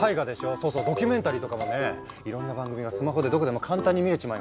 そうそうドキュメンタリーとかもねいろんな番組がスマホでどこでも簡単に見れちまいますよ。